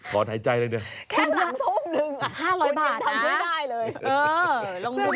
ขอถ่ายใจเลยเนี่ยหลังทุ่มนึงคุณอิ่มทำช่วยได้เลยแค่หลังทุ่มนึง